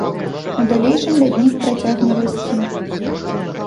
У далейшым ляднік працягне расці.